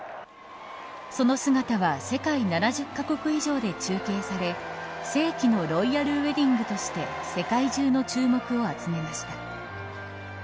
その姿は世界７０か国以上で中継され世紀のロイヤルウェディングとして世界中の注目を集めました。